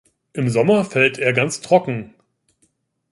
Im Sommer fällt er ganz trocken.